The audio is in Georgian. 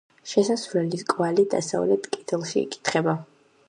შესასვლელის კვალი დასავლეთ კედელში იკითხება.